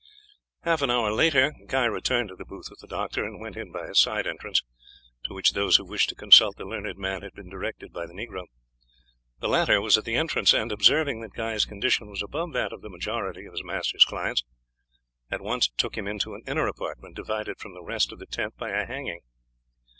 Half an hour later Guy returned to the booth of the doctor, and went in by a side entrance, to which those who wished to consult the learned man had been directed by the negro. The latter was at the entrance, and, observing that Guy's condition was above that of the majority of his master's clients, at once took him into an inner apartment divided from the rest of the tent by a hanging.